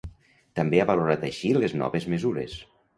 També ha valorat així les noves mesures.